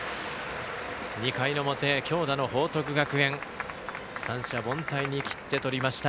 ２回の表、強打の報徳学園三者凡退に切ってとりました。